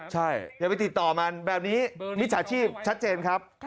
ใช่อย่าไปติดต่อมันแบบนี้มิจฉาชีพชัดเจนครับ